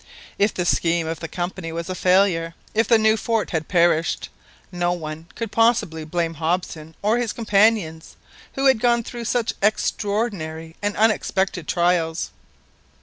If the scheme of the Company was a failure, if the new fort had perished, no one could possibly blame Hobson or his companions, who had gone through such extraordinary and unexpected trials.